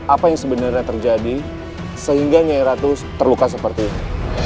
apa yang sebenarnya terjadi sehingga nyai ratu terluka seperti ini